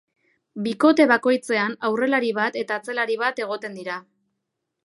Bikote bakoitzean aurrelari bat eta atzelari bat egoten dira.